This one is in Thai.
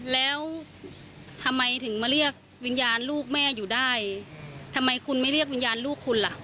แล้วทำไมถึงมาเรียกวิญญาณลูกแม่อยู่ได้ทำไมคุณไม่เรียกวิญญาณลูกคุณล่ะ